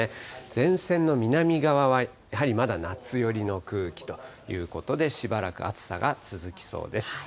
前線の南側はやはりまだ夏寄りの空気ということで、しばらく暑さが続きそうです。